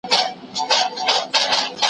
غوښتنې باید روښانه او څرګندې وي.